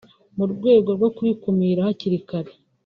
mu rwego rwo kubikumira hakiri kare